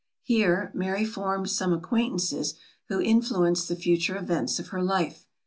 Here Mary formed some acquaintances who influenced the future events of her life.